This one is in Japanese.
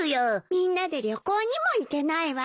みんなで旅行にも行けないわ。